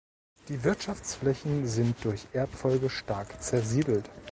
Die Wirtschaftsflächen sind durch Erbfolge stark zersiedelt.